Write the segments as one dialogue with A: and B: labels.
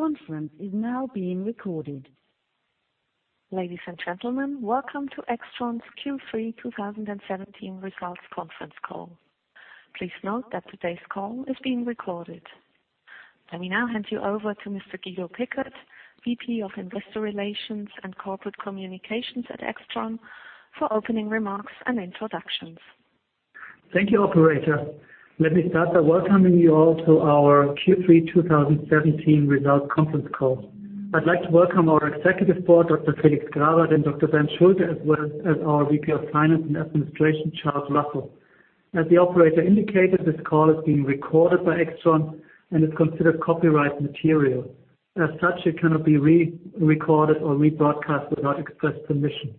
A: Conference is now being recorded. Ladies and gentlemen, welcome to AIXTRON's Q3 2017 results conference call. Please note that today's call is being recorded. Let me now hand you over to Mr. Guido Pickert, VP of Investor Relations and Corporate Communications at AIXTRON for opening remarks and introductions.
B: Thank you, operator. Let me start by welcoming you all to our Q3 2017 results conference call. I'd like to welcome our executive board, Dr. Felix Grawert and Dr. Bernd Schulte, as well as our VP of Finance and Administration, Charles Russell. As the operator indicated, this call is being recorded by AIXTRON and is considered copyright material. As such, it cannot be re-recorded or rebroadcast without express permission.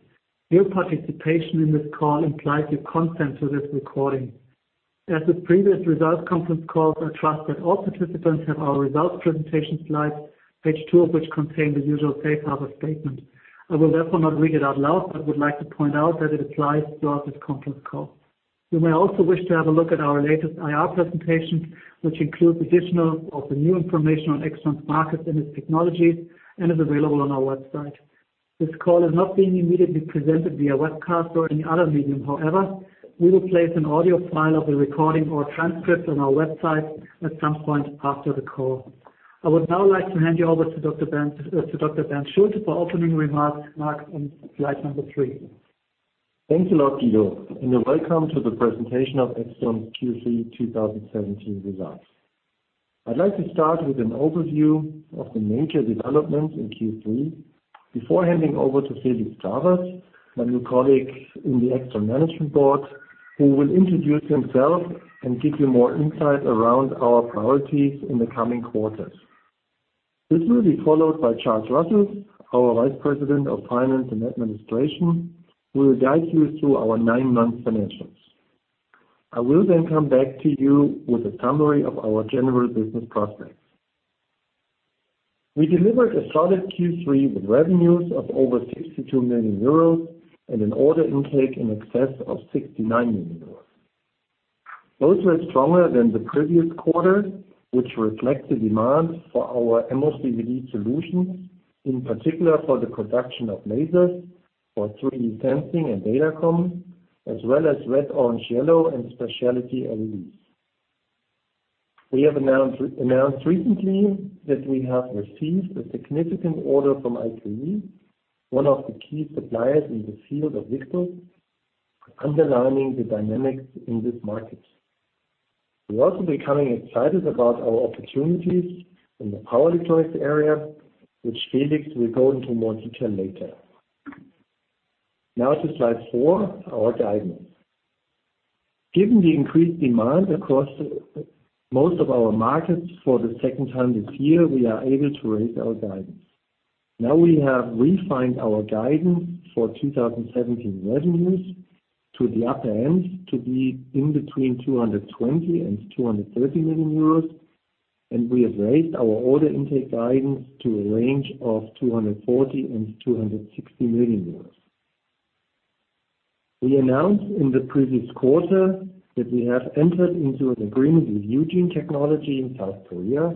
B: Your participation in this call implies your consent to this recording. As with previous results conference calls, I trust that all participants have our results presentation slides, page two of which contain the usual safe harbor statement. I will therefore not read it out loud, but would like to point out that it applies throughout this conference call. You may also wish to have a look at our latest IR presentation, which includes additional, often new information on AIXTRON's markets and its technologies and is available on our website. This call is not being immediately presented via webcast or any other medium. However, we will place an audio file of the recording or transcript on our website at some point after the call. I would now like to hand you over to Dr. Bernd Schulte for opening remarks marked on slide number three.
C: Thanks a lot, Guido, and welcome to the presentation of AIXTRON's Q3 2017 results. I'd like to start with an overview of the major developments in Q3 before handing over to Felix Grawert, my new colleague in the AIXTRON management board, who will introduce himself and give you more insight around our priorities in the coming quarters. This will be followed by Charles Russell, our Vice President of Finance and Administration, who will guide you through our nine-month financials. I will come back to you with a summary of our general business prospects. We delivered a solid Q3 with revenues of over 62 million euros and an order intake in excess of 69 million euros. Those were stronger than the previous quarter, which reflects the demand for our MOCVD solutions, in particular for the production of lasers for 3D sensing and Datacom, as well as red, orange, yellow, and specialty LEDs. We have announced recently that we have received a significant order from IQE, one of the key suppliers in the field of VCSELs, underlining the dynamics in this market. We're also becoming excited about our opportunities in the power electronics area, which Felix will go into more detail later. Now to slide four, our guidance. Given the increased demand across most of our markets for the second time this year, we are able to raise our guidance. Now we have refined our guidance for 2017 revenues to the upper ends to be in between 220 million and 230 million euros, and we have raised our order intake guidance to a range of 240 million and 260 million euros. We announced in the previous quarter that we have entered into an agreement with Eugene Technology in South Korea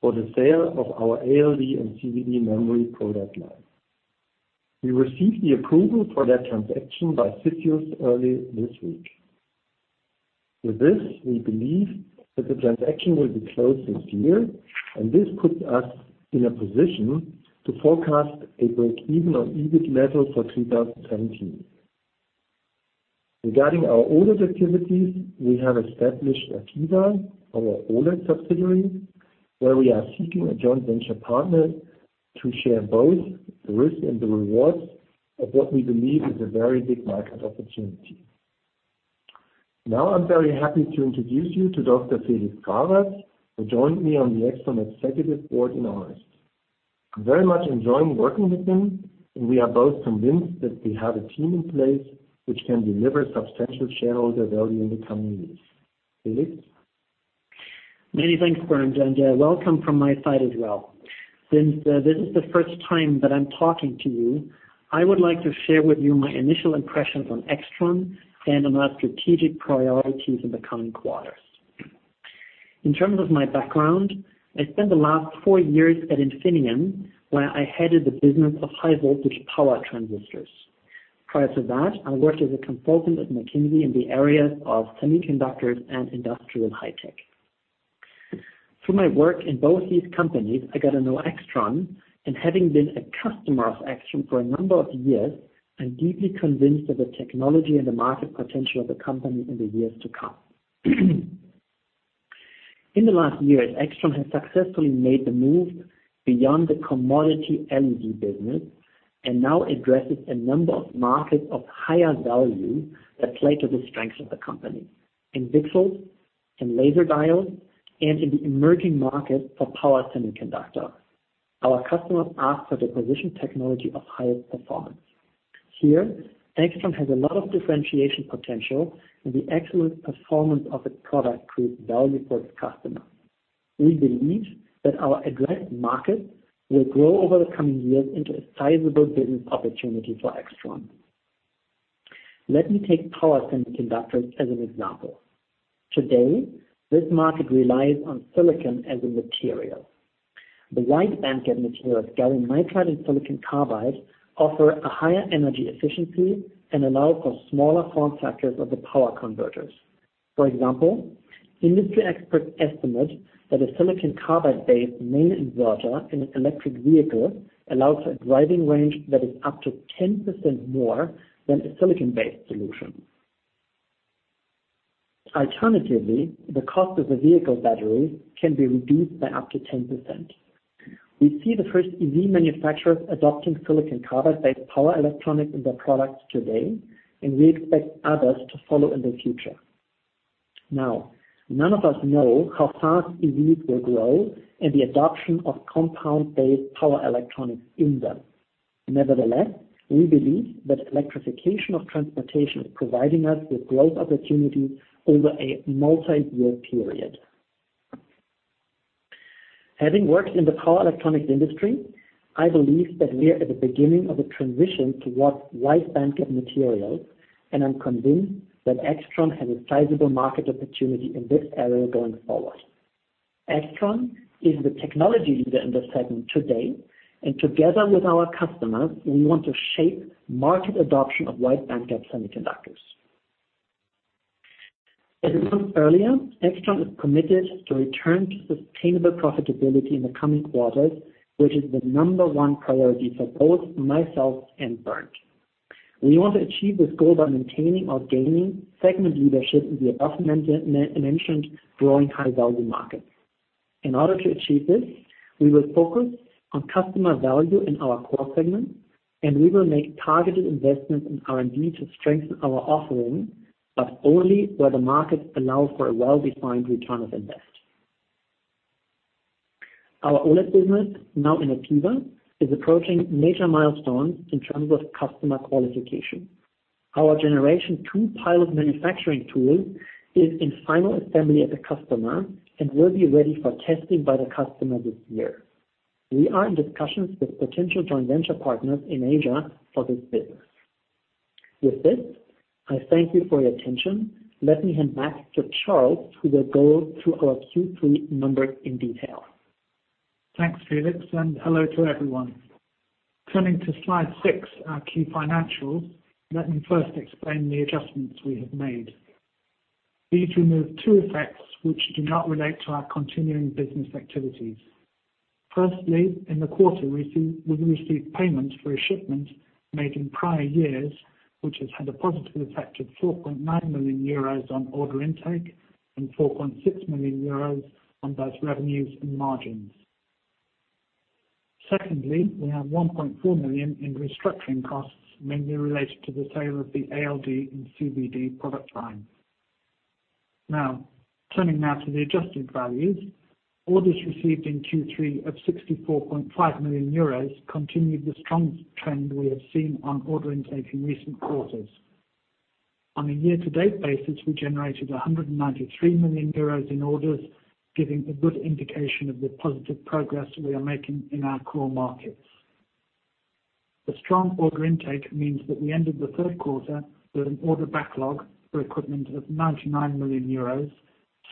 C: for the sale of our ALD and CVD memory product line. We received the approval for that transaction by officials early this week. With this, we believe that the transaction will be closed this year, and this puts us in a position to forecast a break-even on EBIT level for 2017. Regarding our OLED activities, we have established APEVA, our OLED subsidiary, where we are seeking a joint venture partner to share both the risks and the rewards of what we believe is a very big market opportunity. Now, I'm very happy to introduce you to Dr. Felix Grawert, who joined me on the AIXTRON executive board in August. I'm very much enjoying working with him, and we are both convinced that we have a team in place which can deliver substantial shareholder value in the coming years. Felix?
D: Many thanks, Bernd, and welcome from my side as well. Since this is the first time that I'm talking to you, I would like to share with you my initial impressions on AIXTRON and on our strategic priorities in the coming quarters. In terms of my background, I spent the last four years at Infineon, where I headed the business of high voltage power transistors. Prior to that, I worked as a consultant at McKinsey & Company in the areas of semiconductors and industrial high tech. Through my work in both these companies, I got to know AIXTRON, and having been a customer of AIXTRON for a number of years, I'm deeply convinced of the technology and the market potential of the company in the years to come. In the last years, AIXTRON has successfully made the move beyond the commodity LED business and now addresses a number of markets of higher value that play to the strength of the company. In VCSELs, in laser diodes, and in the emerging market for power semiconductor. Our customers ask for the precision technology of highest performance. Here, AIXTRON has a lot of differentiation potential, and the excellent performance of its product creates value for its customer. We believe that our address market will grow over the coming years into a sizable business opportunity for AIXTRON. Let me take power semiconductors as an example. Today, this market relies on silicon as a material. The wide bandgap materials, gallium nitride and silicon carbide, offer a higher energy efficiency and allow for smaller form factors of the power converters. For example, industry experts estimate that a silicon carbide-based main inverter in an electric vehicle allows a driving range that is up to 10% more than a silicon-based solution. Alternatively, the cost of the vehicle battery can be reduced by up to 10%. We see the first EV manufacturers adopting silicon carbide-based power electronics in their products today, and we expect others to follow in the future. None of us know how fast EVs will grow and the adoption of compound-based power electronics in them. Nevertheless, we believe that electrification of transportation is providing us with growth opportunities over a multiyear period. Having worked in the power electronics industry, I believe that we are at the beginning of a transition towards wide bandgap materials, and I'm convinced that AIXTRON has a sizable market opportunity in this area going forward. AIXTRON is the technology leader in this segment today, and together with our customers, we want to shape market adoption of wide bandgap semiconductors. As announced earlier, AIXTRON is committed to return to sustainable profitability in the coming quarters, which is the number one priority for both myself and Bernd. We want to achieve this goal by maintaining or gaining segment leadership in the above-mentioned growing high-value markets. In order to achieve this, we will focus on customer value in our core segments, and we will make targeted investments in R&D to strengthen our offering, but only where the markets allow for a well-defined return of invest. Our OLED business, now in APEVA, is approaching major milestones in terms of customer qualification. Our Gen2 pilot manufacturing tool is in final assembly at the customer and will be ready for testing by the customer this year. We are in discussions with potential joint venture partners in Asia for this business. With this, I thank you for your attention. Let me hand back to Charles, who will go through our Q3 numbers in detail.
E: Thanks, Felix, and hello to everyone. Turning to slide six, our key financials, let me first explain the adjustments we have made. These remove two effects, which do not relate to our continuing business activities. Firstly, in the quarter, we received payment for a shipment made in prior years, which has had a positive effect of 4.9 million euros on order intake and 4.6 million euros on those revenues and margins. Secondly, we have 1.4 million in restructuring costs, mainly related to the sale of the ALD and CVD product lines. Turning now to the adjusted values. Orders received in Q3 of 64.5 million euros continued the strong trend we have seen on order intake in recent quarters. On a year-to-date basis, we generated 193 million euros in orders, giving a good indication of the positive progress we are making in our core markets. The strong order intake means that we ended the third quarter with an order backlog for equipment of 99 million euros,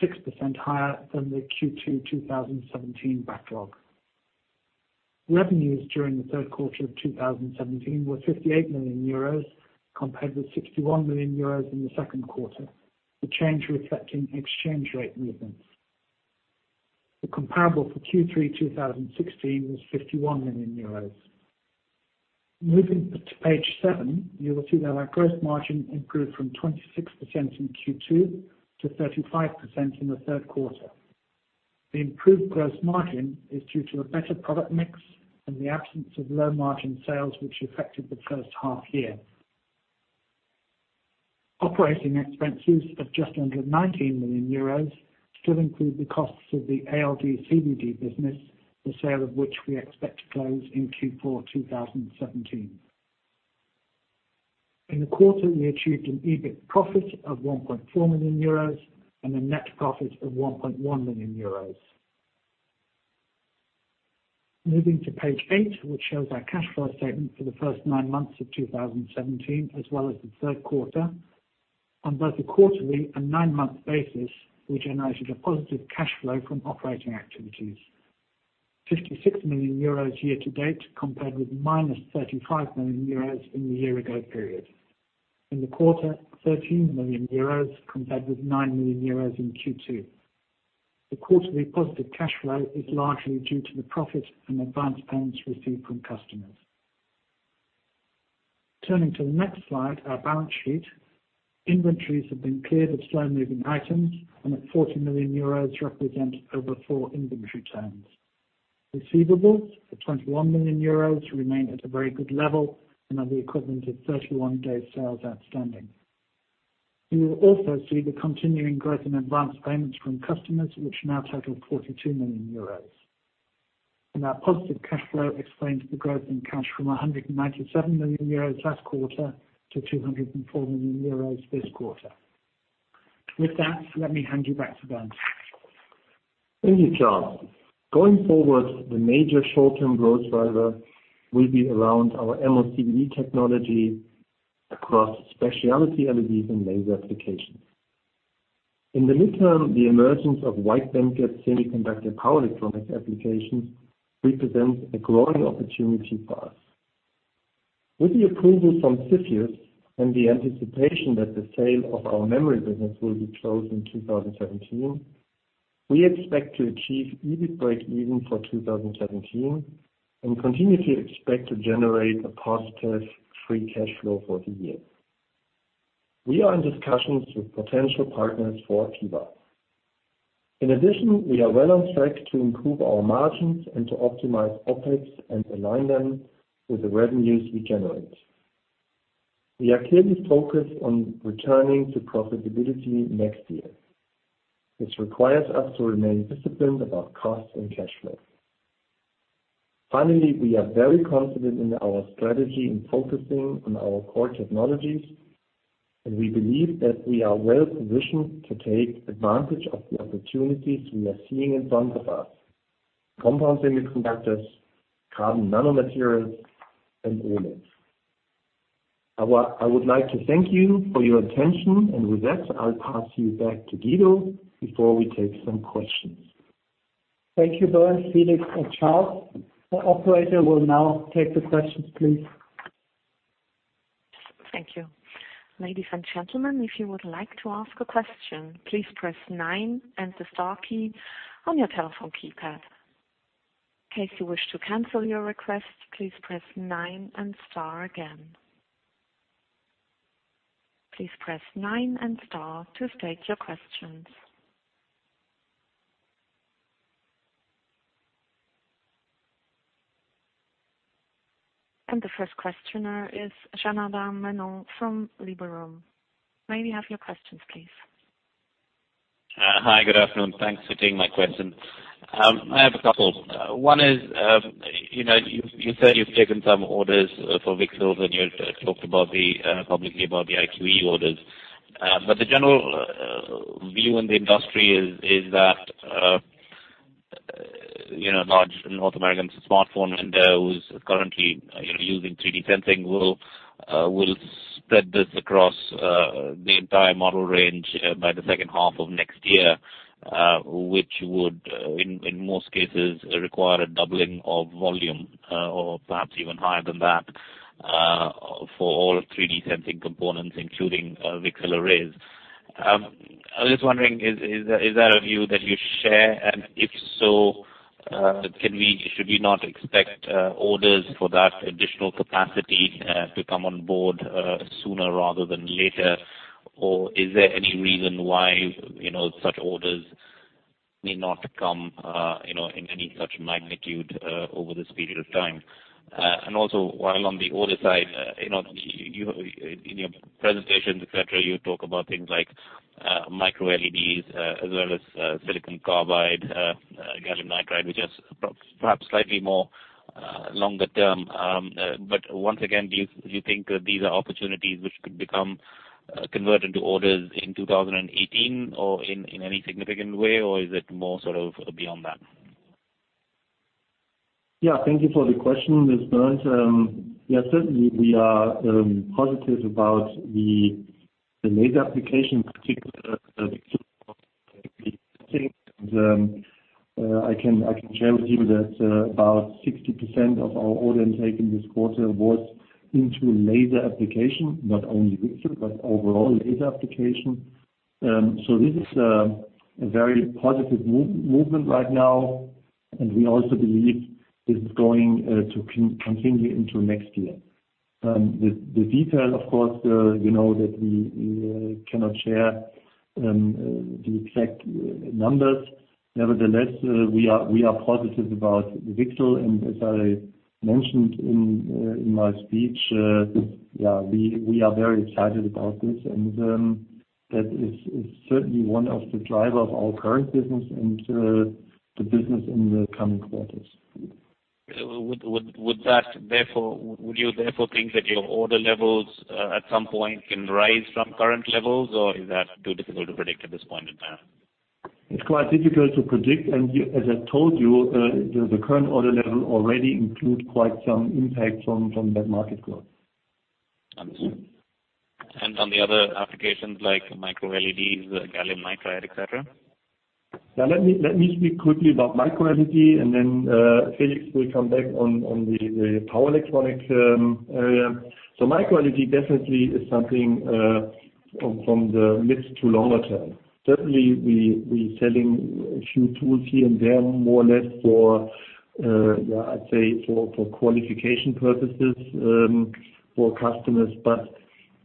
E: 6% higher than the Q2 2017 backlog. Revenues during the third quarter of 2017 were 58 million euros, compared with 61 million euros in the second quarter. The change reflecting exchange rate movements. The comparable for Q3 2016 was 51 million euros. Moving to page seven, you will see that our gross margin improved from 26% in Q2 to 35% in the third quarter. The improved gross margin is due to a better product mix and the absence of low-margin sales, which affected the first half year. OpEx of just under 19 million euros still include the costs of the ALD CVD business, the sale of which we expect to close in Q4 2017. In the quarter, we achieved an EBIT profit of 1.4 million euros and a net profit of 1.1 million euros. Moving to page eight, which shows our cash flow statement for the first nine months of 2017, as well as the third quarter. On both a quarterly and nine-month basis, we generated a positive cash flow from operating activities, 56 million euros year-to-date, compared with minus 35 million euros in the year-ago period. In the quarter, 13 million euros compared with 9 million euros in Q2. The quarterly positive cash flow is largely due to the profit and advanced payments received from customers. Turning to the next slide, our balance sheet. Inventories have been cleared of slow-moving items and at 40 million euros, represent over four inventory turns. Receivables for 21 million euros remain at a very good level and are the equivalent of 31 days sales outstanding. You will also see the continuing growth in advance payments from customers, which now total 42 million euros. Our positive cash flow explains the growth in cash from 197 million euros last quarter to 204 million euros this quarter. With that, let me hand you back to Bernd.
C: Thank you, Charles. Going forward, the major short-term growth driver will be around our MOCVD technology across specialty LEDs and laser applications. In the midterm, the emergence of wide bandgap semiconductor power electronics applications represents a growing opportunity for us. With the approval from CFIUS and the anticipation that the sale of our memory business will be closed in 2017, we expect to achieve EBIT breakeven for 2017 and continue to expect to generate a positive free cash flow for the year. We are in discussions with potential partners for TIBA. In addition, we are well on track to improve our margins and to optimize OpEx and align them with the revenues we generate. We are clearly focused on returning to profitability next year, which requires us to remain disciplined about cost and cash flow. Finally, we are very confident in our strategy in focusing on our core technologies, and we believe that we are well positioned to take advantage of the opportunities we are seeing in front of us. Compound semiconductors, carbon nanomaterials, and OLEDs. I would like to thank you for your attention, and with that, I'll pass you back to Guido before we take some questions.
B: Thank you, Bernd, Felix, and Charles. The operator will now take the questions, please.
A: Thank you. Ladies and gentlemen, if you would like to ask a question, please press Star 9 on your telephone keypad. In case you wish to cancel your request, please press Star 9 again. Please press Star 9 to state your questions. The first questioner is Janardan Menon from Liberum. May we have your questions, please?
F: Hi, good afternoon. Thanks for taking my question. I have a couple. One is, you said you've taken some orders for VCSELs, and you talked publicly about the IQE orders. The general view in the industry is that large North American smartphone vendor who's currently using 3D sensing will spread this across the entire model range by the second half of next year, which would, in most cases, require a doubling of volume or perhaps even higher than that for all 3D sensing components, including VCSEL arrays. I was just wondering, is that a view that you share? If so, should we not expect orders for that additional capacity to come on board sooner rather than later? Is there any reason why such orders may not come in any such magnitude over this period of time? Also while on the order side, in your presentations, et cetera, you talk about things like micro-LEDs as well as silicon carbide, gallium nitride, which is perhaps slightly more longer term. Once again, do you think these are opportunities which could become converted to orders in 2018 or in any significant way, or is it more sort of beyond that?
C: Yeah, thank you for the question. This is Bernd. Certainly we are positive about the laser application, particularly the VCSEL. I can share with you that about 60% of our order intake in this quarter was into laser application, not only VCSEL but overall laser application. This is a very positive movement right now, and we also believe this is going to continue into next year. The detail, of course, you know that we cannot share the exact numbers. Nevertheless, we are positive about VCSEL, and as I mentioned in my speech, yeah, we are very excited about this, and that is certainly one of the drivers of our current business and the business in the coming quarters.
F: Would you therefore think that your order levels at some point can rise from current levels, or is that too difficult to predict at this point in time?
C: It's quite difficult to predict. As I told you, the current order level already includes quite some impact from that market growth.
F: Understood. On the other applications like micro-LEDs, gallium nitride, et cetera?
C: Let me speak quickly about micro-LED, then Felix will come back on the power electronics area. Micro-LED definitely is something from the mid to longer term. Certainly we're selling a few tools here and there more or less for qualification purposes for customers.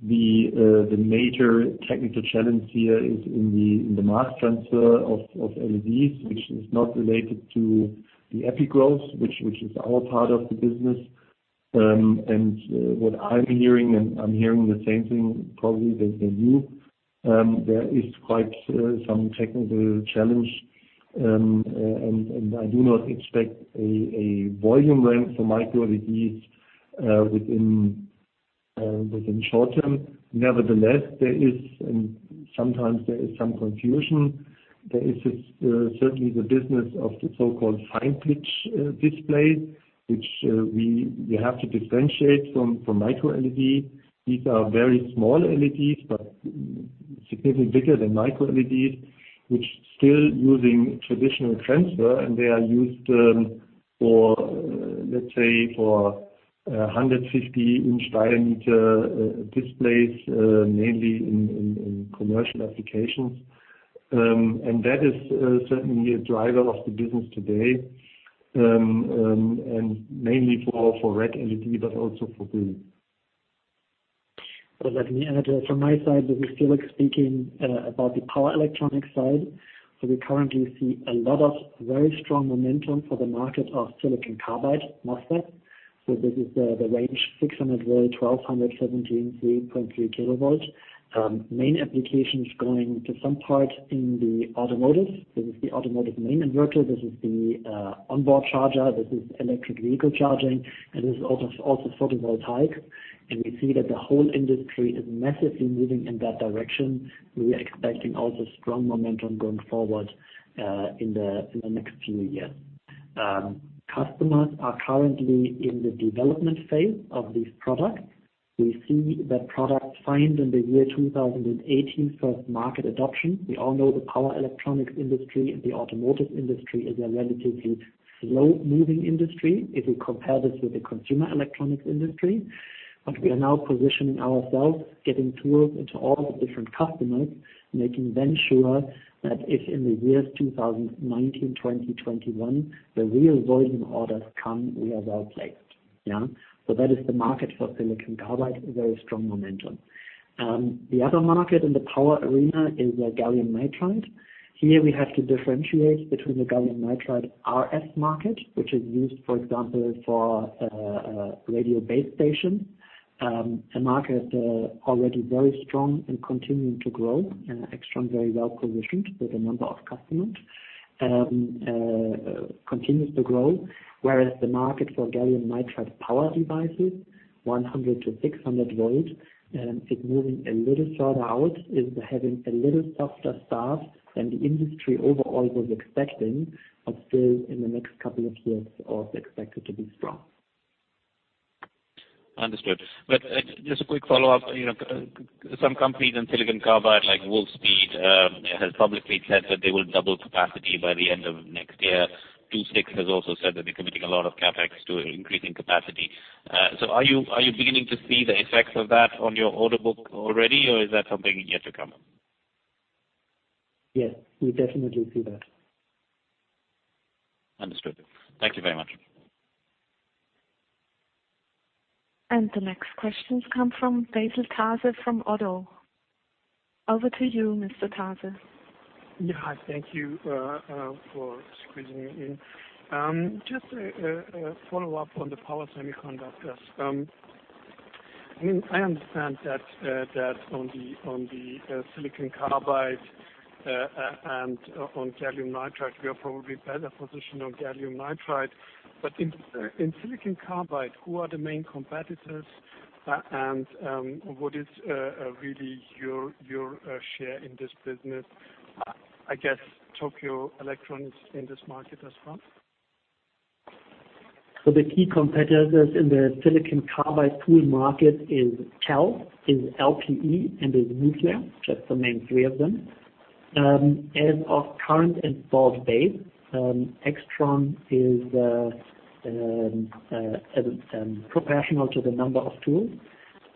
C: The major technical challenge here is in the mass transfer of LEDs, which is not related to the epi growth, which is our part of the business. What I'm hearing, and I'm hearing the same thing probably as you, there is quite some technical challenge, and I do not expect a volume ramp for micro-LEDs within short term. Nevertheless, there is, and sometimes there is some confusion. There is certainly the business of the so-called fine pitch displays, which we have to differentiate from micro-LED. These are very small LEDs, but significantly bigger than micro-LEDs, which still using traditional transfer, and they are used for, let's say, 150-inch diameter displays, mainly in commercial applications. That is certainly a driver of the business today, and mainly for red LED, but also for green.
D: Well, let me add from my side, this is Felix speaking, about the power electronics side. We currently see a lot of very strong momentum for the market of silicon carbide MOSFET. This is the range 600 volt, 1200, 17, 3.3 kilovolt. Main application is going to some part in the automotive. This is the automotive main inverter. This is the onboard charger. This is electric vehicle charging, and this is also photovoltaic. We see that the whole industry is massively moving in that direction. We are expecting also strong momentum going forward in the next few years. Customers are currently in the development phase of these products. We see that product find in the year 2018, first market adoption. We all know the power electronics industry and the automotive industry is a relatively slow-moving industry if we compare this with the consumer electronics industry. We are now positioning ourselves, getting tools into all the different customers, making sure that if in the years 2019, 2021, the real volume orders come, we are well placed. That is the market for silicon carbide, very strong momentum. The other market in the power arena is the gallium nitride. Here we have to differentiate between the gallium nitride RF market, which is used, for example, for radio base station. A market already very strong and continuing to grow. AIXTRON very well positioned with a number of customers. Continues to grow. Whereas the market for gallium nitride power devices, 100 to 600 volts, it's moving a little further out, is having a little softer start than the industry overall was expecting. Still, in the next couple of years, is expected to be strong.
F: Understood. Just a quick follow-up. Some companies in silicon carbide, like Wolfspeed, have publicly said that they will double capacity by the end of next year. II-VI has also said that they're committing a lot of CapEx to increasing capacity. Are you beginning to see the effects of that on your order book already, or is that something yet to come?
D: Yes, we definitely see that.
F: Understood. Thank you very much.
A: The next questions come from Ghasi Tazi from Oddo. Over to you, Mr. Tazi.
G: Yeah. Thank you for squeezing me in. Just a follow-up on the power semiconductors. I understand that on the silicon carbide and on gallium nitride, we are probably better positioned on gallium nitride. In silicon carbide, who are the main competitors and what is really your share in this business? I guess Tokyo Electron's in this market as well.
D: The key competitors in the silicon carbide tool market is Cree, is LPE and is Nuflare. Just the main three of them. As of current installed base, AIXTRON is proportional to the number of tools.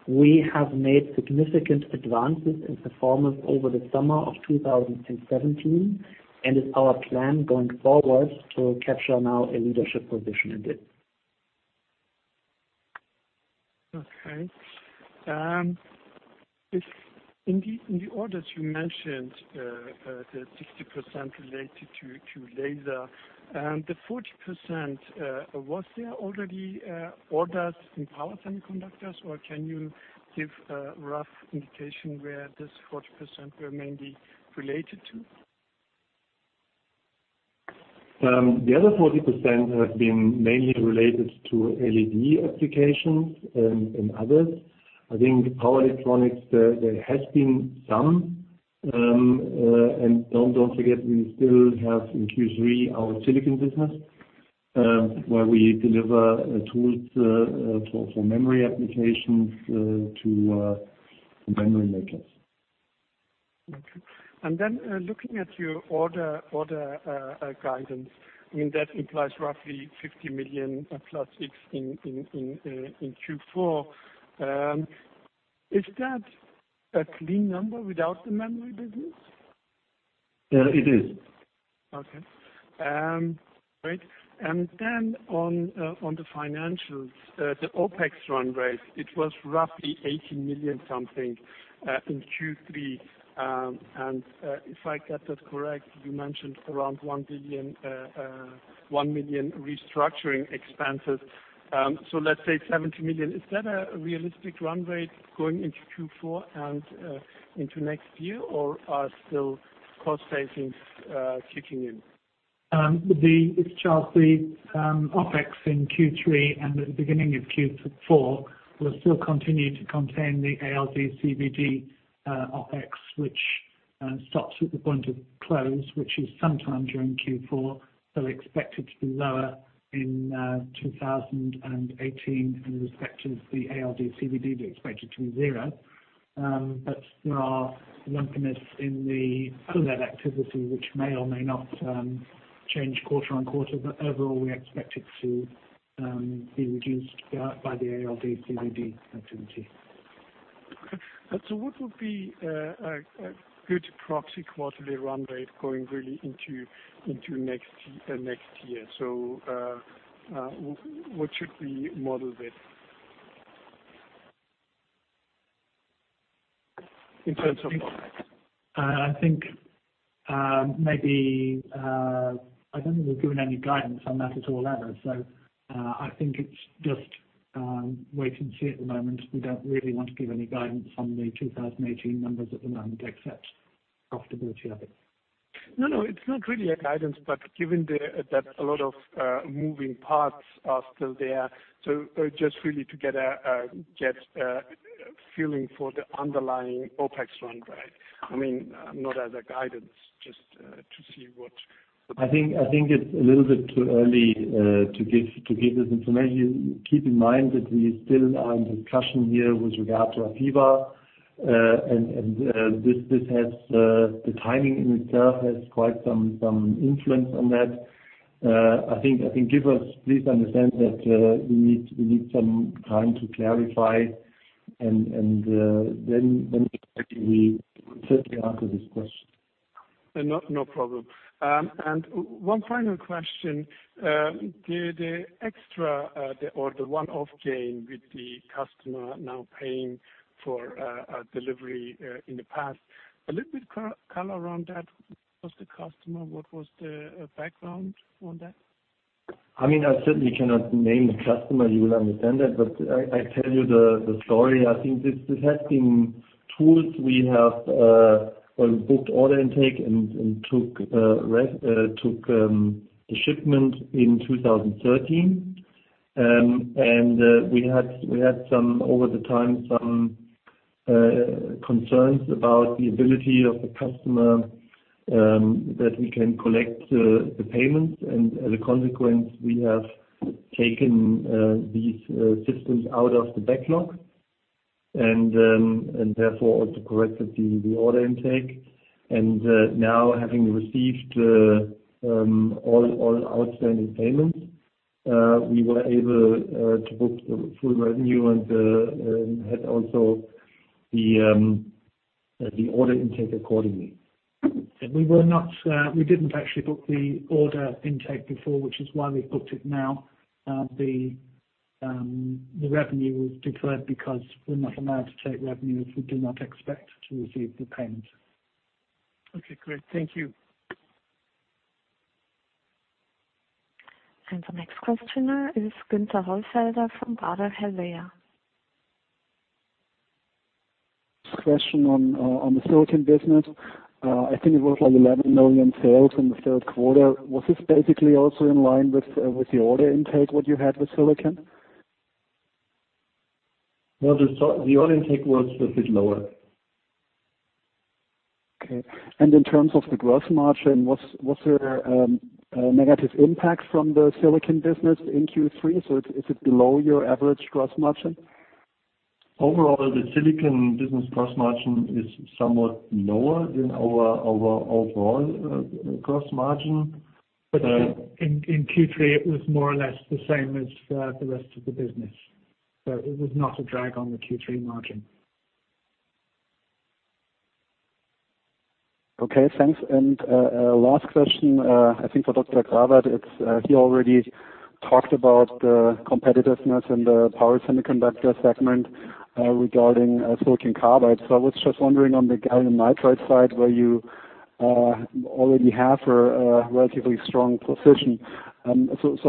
D: We have made significant advances in performance over the summer of 2017, and it's our plan going forward to capture now a leadership position in it.
G: Okay. In the orders you mentioned, the 60% related to laser. The 40%, was there already orders in power semiconductors, or can you give a rough indication where this 40% were mainly related to?
C: The other 40% have been mainly related to LED applications and others. I think power electronics, there has been some. Don't forget, we still have in Q3 our silicon business, where we deliver tools for memory applications to memory makers.
G: Looking at your order guidance, that implies roughly 50 million plus EUR 6 million in Q4. Is that a clean number without the memory business?
C: It is.
G: On the financials, the OpEx run rate, it was roughly 18 million something in Q3. If I get that correct, you mentioned around 1 million restructuring expenses. Let's say 17 million. Is that a realistic run rate going into Q4 and into next year, or are still cost savings kicking in?
E: With the Charles Russell OpEx in Q3 and the beginning of Q4 will still continue to contain the ALD CVD OpEx, which stops at the point of close, which is sometime during Q4, so expected to be lower in 2018. With respect to the ALD CVD, we expect it to be zero. There are lumpiness in the other activity which may or may not change quarter-on-quarter. Overall, we expect it to be reduced by the ALD CVD activity.
G: Okay. What would be a good proxy quarterly run rate going really into next year? What should we model with in terms of OpEx?
E: I don't think we've given any guidance on that at all ever. I think it's just wait and see at the moment. We don't really want to give any guidance on the 2018 numbers at the moment except profitability of it.
G: It's not really a guidance, given that a lot of moving parts are still there, just really to get a feeling for the underlying OpEx run rate. I mean, not as a guidance.
D: I think it's a little bit too early to give this information. Keep in mind that we still are in discussion here with regard to APEVA. The timing in itself has quite some influence on that. Please understand that we need some time to clarify and then we certainly answer this question.
G: No problem. One final question. The extra or the one-off gain with the customer now paying for a delivery in the past, a little bit color around that. Who was the customer? What was the background on that?
D: I mean, I certainly cannot name the customer. You will understand that, but I tell you the story. Well, we booked order intake and took the shipment in 2013. We had, over the time, some concerns about the ability of the customer that we can collect the payments. As a consequence, we have taken these systems out of the backlog and therefore also corrected the order intake. Now having received all outstanding payments, we were able to book the full revenue and had also the order intake accordingly.
E: We didn't actually book the order intake before, which is why we booked it now. The revenue was deferred because we're not allowed to take revenue if we do not expect to receive the payment.
G: Okay, great. Thank you.
A: The next questioner is Günther Hollfelder from Baader HelveaV.
H: Question on the silicon business. I think it was like 11 million sales in the third quarter. Was this basically also in line with the order intake what you had with silicon?
D: No, the order intake was a bit lower.
H: Okay. In terms of the gross margin, was there a negative impact from the silicon business in Q3? Is it below your average gross margin?
D: Overall, the silicon business gross margin is somewhat lower than our overall gross margin.
E: In Q3, it was more or less the same as the rest of the business. It was not a drag on the Q3 margin.
H: Okay, thanks. Last question, I think for Dr. Felix Grawert. He already talked about the competitiveness in the power semiconductor segment regarding silicon carbide. I was just wondering on the gallium nitride side where you already have a relatively strong position.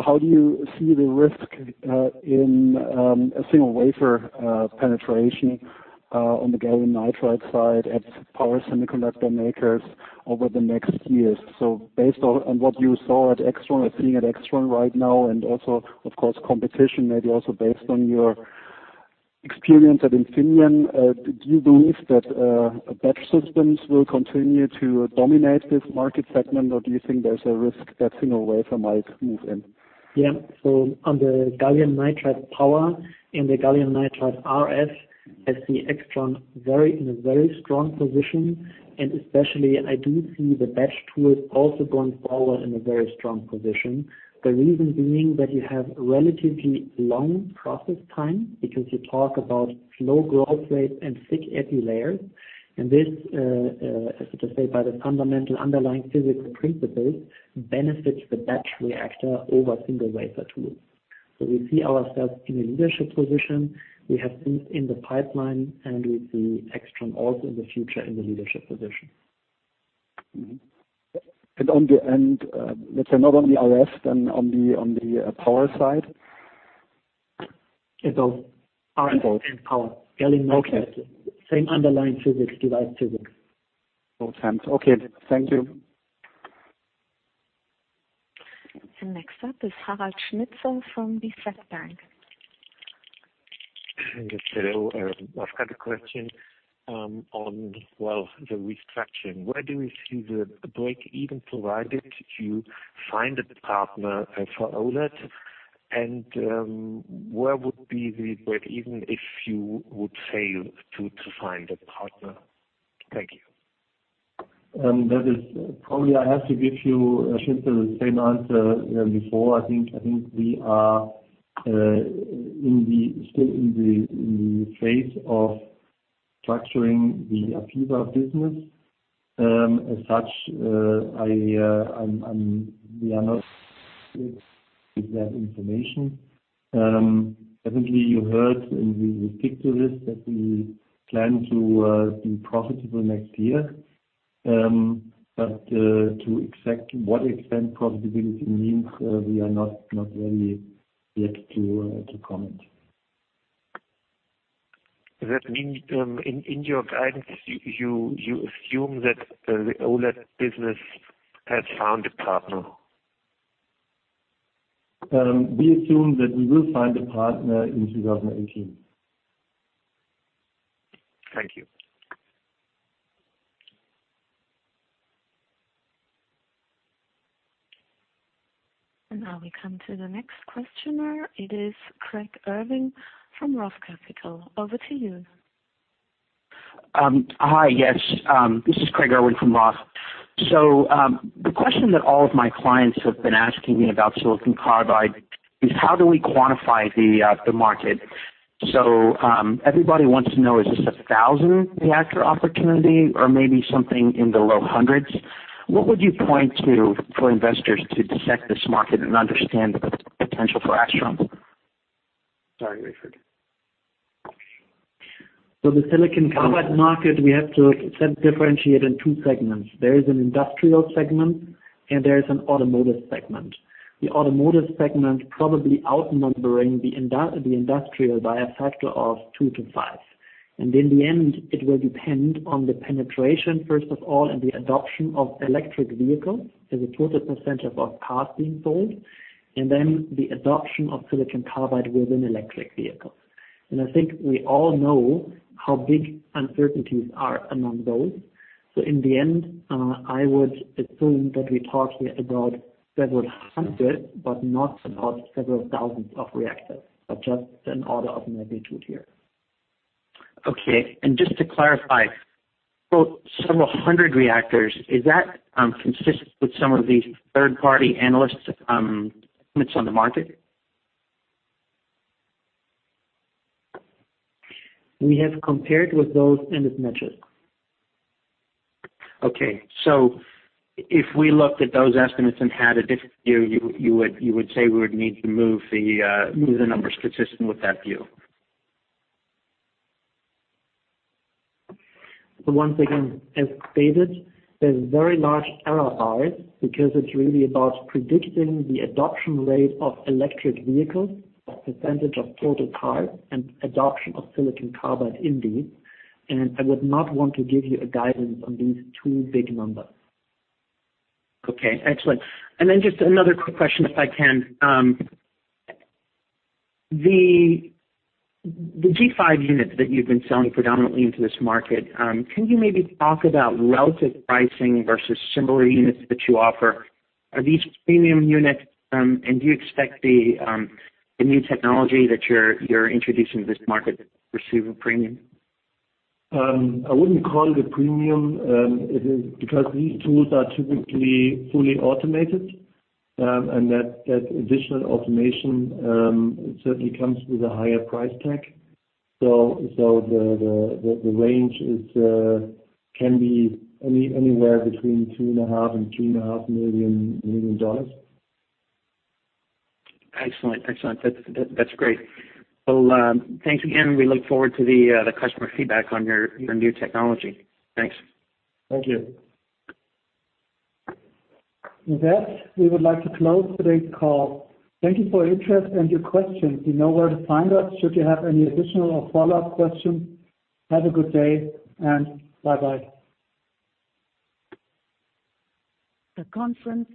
H: How do you see the risk in a single wafer penetration on the gallium nitride side at power semiconductor makers over the next years? Based on what you saw at AIXTRON or seeing at AIXTRON right now and also, of course, competition maybe also based on your experience at Infineon, do you believe that batch systems will continue to dominate this market segment? Do you think there's a risk that single wafer might move in?
D: On the gallium nitride power and the gallium nitride RF, I see AIXTRON in a very strong position and especially I do see the batch tools also going forward in a very strong position. The reason being that you have relatively long process time because you talk about low growth rates and thick epi-layers. This, as I just said, by the fundamental underlying physical principles, benefits the batch reactor over single wafer tools. We see ourselves in a leadership position. We have things in the pipeline, and we see AIXTRON also in the future in the leadership position.
H: Let's say not on the RF then on the power side.
D: It's both.
C: Are both.
D: Power. Gallium nitride.
H: Okay.
D: Same underlying physics, device physics.
H: Both hands. Okay, thank you.
A: Next up is Harald Schnitzler from DZ Bank.
I: Yes, hello. I've got a question on the restructuring. Where do you see the break even provided you find a partner for OLED? Where would be the break even if you would fail to find a partner? Thank you.
C: Probably I have to give you, Harald Schnitzler, the same answer as before. I think we are still in the phase of structuring the APEVA business. As such, we are not with that information. Certainly you heard, and we will stick to this, that we plan to be profitable next year. To exactly what extent profitability means, we are not ready yet to comment.
I: That means, in your guidance, you assume that the OLED business has found a partner.
C: We assume that we will find a partner in 2018.
I: Thank you.
A: Now we come to the next questioner. It is Craig Irwin from Roth Capital. Over to you.
J: Hi, yes. This is Craig Irwin from Roth. The question that all of my clients have been asking me about silicon carbide is how do we quantify the market? Everybody wants to know, is this a 1,000 reactor opportunity or maybe something in the low hundreds? What would you point to for investors to dissect this market and understand the potential for AIXTRON? Sorry, Felix.
D: The silicon carbide market, we have to differentiate in two segments. There is an industrial segment and there is an automotive segment. The automotive segment probably outnumbering the industrial by a factor of two to five. In the end, it will depend on the penetration, first of all, and the adoption of electric vehicles as a total percentage of cars being sold, and then the adoption of silicon carbide within electric vehicles. I think we all know how big uncertainties are among those. In the end, I would assume that we talk here about several hundred, but not about several thousands of reactors. Just an order of magnitude here.
J: Okay. Just to clarify, several hundred reactors, is that consistent with some of the third-party analyst estimates on the market?
D: We have compared with those and it matches.
J: Okay. If we looked at those estimates and had a different view, you would say we would need to move the numbers consistent with that view.
D: Once again, as stated, there's very large error bars because it's really about predicting the adoption rate of electric vehicles, the percentage of total cars, and adoption of silicon carbide indeed, and I would not want to give you a guidance on these two big numbers.
J: Okay, excellent. Just another quick question, if I can. The G10-SiC units that you've been selling predominantly into this market, can you maybe talk about relative pricing versus similar units that you offer? Are these premium units? Do you expect the new technology that you're introducing to this market to receive a premium?
C: I wouldn't call it a premium. It is because these tools are typically fully automated, and that additional automation certainly comes with a higher price tag. The range can be anywhere between $2.5 million and $2.5 million.
J: Excellent. That's great. Thanks again. We look forward to the customer feedback on your new technology. Thanks.
C: Thank you.
B: With that, we would like to close today's call. Thank you for your interest and your questions. You know where to find us should you have any additional or follow-up questions. Have a good day, and bye-bye.
A: The conference